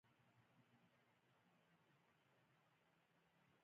ایا مصنوعي ځیرکتیا د عقل حدود نه راڅرګندوي؟